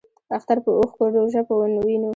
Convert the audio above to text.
اختر پۀ اوښکو ، روژۀ پۀ وینو